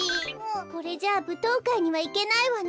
これじゃあぶとうかいにはいけないわね。